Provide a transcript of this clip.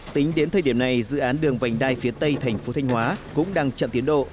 tính đến thời điểm này dự án đường vành đai phía tây thành phố thanh hóa cũng đang chậm tiến độ